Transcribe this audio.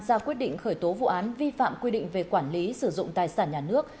ra quyết định khởi tố vụ án vi phạm quy định về quản lý sử dụng tài sản nhà nước